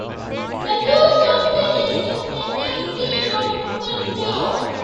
The two competed as a tag team on SmackDown!